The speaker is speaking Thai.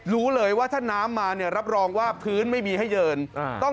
รู้เลยว่าถ้าน้ำมาเนี่ยรับรองว่าพื้นไม่มีให้เยินต้อง